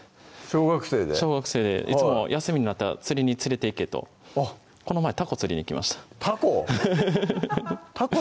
小学生いつも休みになったら釣りに連れていけとこの前タコ釣りに行きましたタコ？